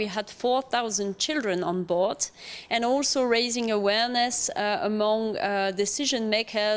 dan juga memperhatikan kebijakan dari pembuat keputusan organisasi yang tidak berpengaruh